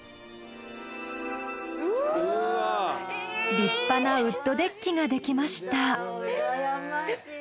立派なウッドデッキが出来ました。